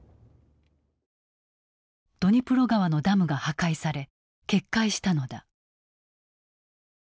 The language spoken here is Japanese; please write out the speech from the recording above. ドニプロ川のダムが破壊され決壊したのだ。